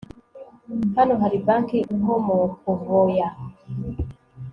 Hano hari banki InkomokoVOA